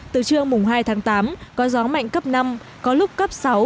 từ trưa mùng hai tháng tám có gió mạnh cấp năm có lúc cấp sáu